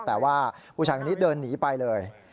แต่ว่าผู้ชายคนนี้เดินหนีไปเลย